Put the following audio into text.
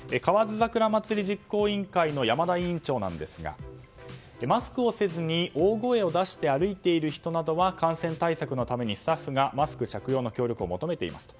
桜まつり実行委員の山田委員長ですがマスクをせずに大声を出して歩いている人などは感染対策のためにスタッフがマスク着用の協力を求めていますと。